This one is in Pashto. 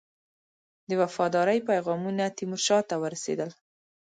د وفاداری پیغامونه تیمورشاه ته ورسېدل.